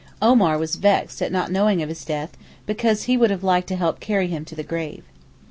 Omar was vexed at not knowing of his death, because he would have liked to help to carry him to the grave.